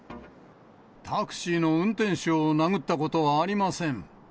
タクシーの運転手を殴ったことはありません。